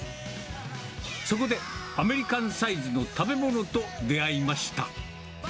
そこでアメリカンサイズの食べ物と出会いました。